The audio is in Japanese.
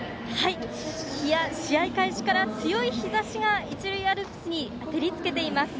試合開始から強い日ざしが一塁アルプスに照り付けています。